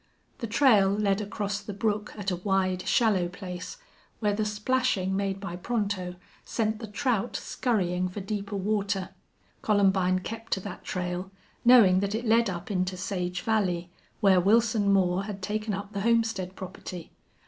The trail led across the brook at a wide, shallow place, where the splashing made by Pronto sent the trout scurrying for deeper water. Columbine kept to that trail, knowing that it led up into Sage Valley, where Wilson Moore had taken up the homestead property.